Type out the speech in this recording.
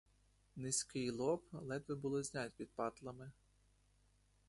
Низький лоб ледве було знать під патлами.